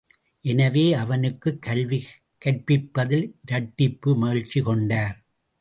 எனவே அவனுக்குக் கல்வி கற்பிப்பதில் இரட்டிப்பு மகிழ்ச்சி கொண்டார்.